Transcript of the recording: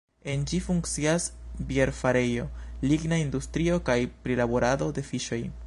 En ĝi funkcias bierfarejo, ligna industrio kaj prilaborado de fiŝoj.